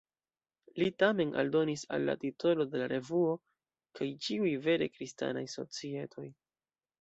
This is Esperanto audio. Li tamen aldonis al la titolo de la revuo "kaj ĉiuj vere Kristanaj Societoj".